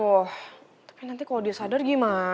oh tapi nanti kalau dia sadar gimana